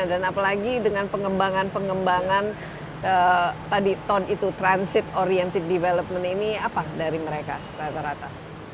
dan apalagi dengan pengembangan pengembangan tadi ton itu transit oriented development ini apa dari mereka rata rata